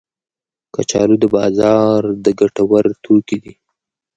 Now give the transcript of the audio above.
کچالو د بازار د ګټه ور توکي دي